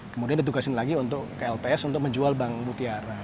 kemudian ditugaskan lagi untuk klps untuk menjual bank butiara